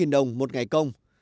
một trăm linh đồng một ngày công